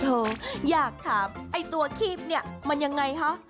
โทษอยากถามไอ้ตัวคีบมันยังไงฮะ